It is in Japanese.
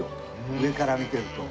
上から見てると。